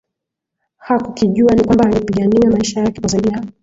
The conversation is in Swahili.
hakukijua ni kwamba angepigania maisha yake kwa zaidi ya